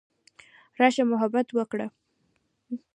راشه محبت وکړه.